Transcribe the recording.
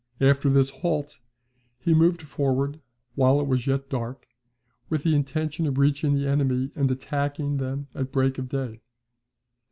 After this halt, he moved forward, while it was yet dark, with the intention of reaching the enemy, and attacking them at break of day.